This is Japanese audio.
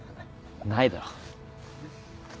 ないだろ。